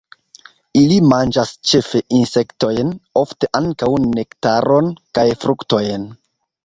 Ili manĝas ĉefe insektojn, ofte ankaŭ nektaron kaj fruktojn.